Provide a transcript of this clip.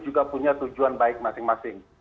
juga punya tujuan baik masing masing